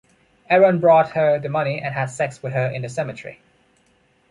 Aaron brought her the money and had sex with her in the cemetery.